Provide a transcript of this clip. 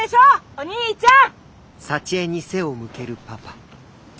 お兄ちゃん！